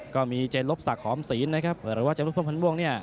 ก็มีเจนลบสักหอมศีลนะครับเพราะว่าเจนลบพรรมพันธุ์ม่วงเนี่ย